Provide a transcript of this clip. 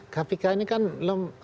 kpk ini kan lemah